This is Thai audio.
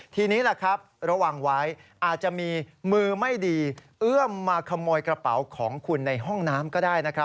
ทีนี้แหละครับระวังไว้อาจจะมีมือไม่ดีเอื้อมมาขโมยกระเป๋าของคุณในห้องน้ำก็ได้นะครับ